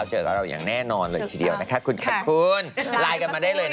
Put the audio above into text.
เจอกับเราอยากแน่นอนเลยทีเดียวนะคะคุณขังคุณ